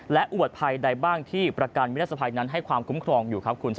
และอวดภัยใดบ้างที่ประกันวิทยาศภัยนั้นให้ความคุ้มครองอยู่ครับคุณ